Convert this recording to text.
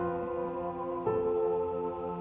gak ada yang bisa dihukum